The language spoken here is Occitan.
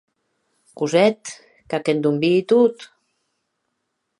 Cosette, qu’ac endonvii tot.